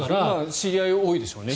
知り合いが多いでしょうね。